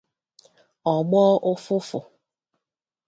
ọ gbọọ ụfụfụ.